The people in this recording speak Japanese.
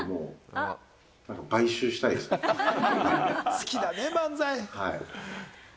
好きだね、漫才。